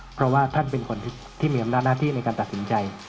เพราะว่าท่านเป็นคนที่มีอำนาจหน้าที่ในการตัดสินใจ